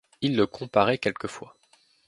Ils le comparaient quelquefois.